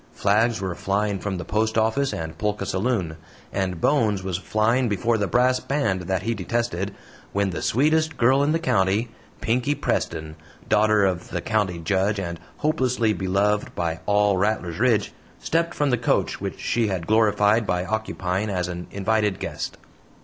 Flags were flying from the post office and Polka saloon, and Bones was flying before the brass band that he detested, when the sweetest girl in the county Pinkey Preston daughter of the county judge and hopelessly beloved by all Rattlers Ridge, stepped from the coach which she had glorified by occupying as an invited guest.